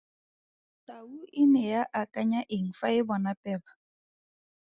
Tau e ne ya akanya eng fa e bona peba?